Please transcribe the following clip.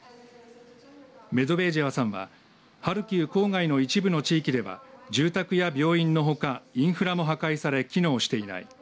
メドベージェワさんはハルキウ郊外の一部の地域では住宅や病院のほかインフラも破壊され機能していない。